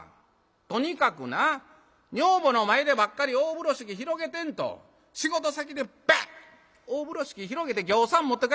とにかくな女房の前でばっかり大風呂敷広げてんと仕事先でバッ大風呂敷広げてぎょうさん持って帰ってきなはれ」。